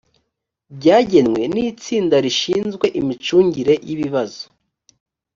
byagenwe n itsinda rishinzwe imicungire y ibibazo